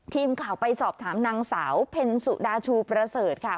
ทีมข่าวไปสอบถามนางสาวเพ็ญสุดาชูประเสริฐค่ะ